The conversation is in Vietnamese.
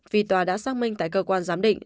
vì tòa đã xác minh tại cơ quan giám định